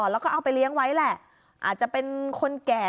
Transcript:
แล้วก็เอาไปเลี้ยงไว้แหละอาจจะเป็นคนแก่